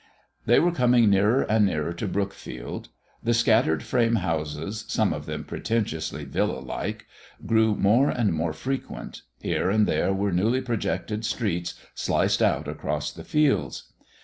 They were coming nearer and nearer to Brookfield. The scattered frame houses, some of them pretentiously villa like, grew more and more frequent. Here and there were newly projected streets sliced out across the fields.